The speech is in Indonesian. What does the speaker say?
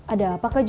ada apa kak junaidi